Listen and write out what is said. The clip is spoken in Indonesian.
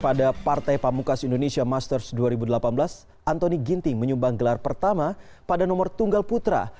pada partai pamukas indonesia masters dua ribu delapan belas antoni ginting menyumbang gelar pertama pada nomor tunggal putra